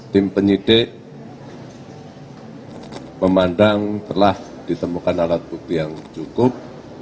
tim penyidik memandang telah ditemukan alat bukti yang cukup